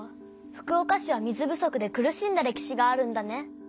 福岡市は水不足で苦しんだ歴史があるんだね。